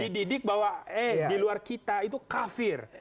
dididik bahwa eh di luar kita itu kafir